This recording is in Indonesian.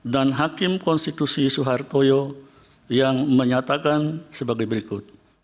dan hakim konstitusi suhartoyo yang menyatakan sebagai berikut